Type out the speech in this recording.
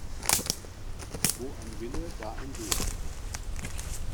Wo ein Wille, da ein Weg.